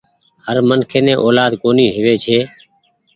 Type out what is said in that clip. هر منک ني اولآد ڪونيٚ هووي ڇي۔